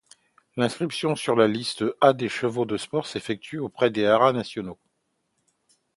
L'inscription sur la liste A des chevaux de sport s'effectue auprès des Haras nationaux.